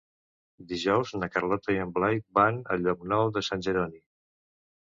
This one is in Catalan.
Dijous na Carlota i en Blai van a Llocnou de Sant Jeroni.